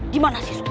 dimana sih suara